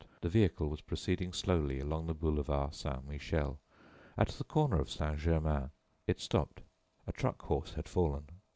The vehicle was proceeding slowly along the boulevard Saint Michel. At the corner of Saint Germain it stopped. A truck horse had fallen.